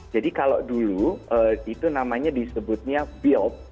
jadi kalau dulu itu namanya disebutnya build